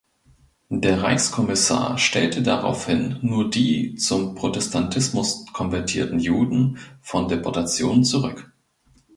Der Reichskommissar stellte daraufhin nur die zum Protestantismus konvertierten Juden von Deportationen zurück.